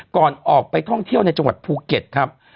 ก่อนออกไปท่องเที่ยวในจังหวัดภูเก็ตครับ